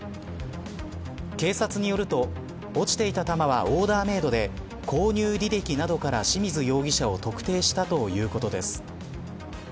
警察によると落ちていた球はオーダーメードで購入履歴などから、清水容疑者を特定したということです。